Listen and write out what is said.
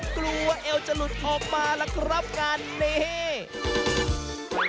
กลัวว่าเอวจะหลุดออกมาล่ะครับกันเนี่ย